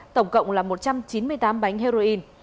tổng cộng là một trăm chín mươi tám bánh heroin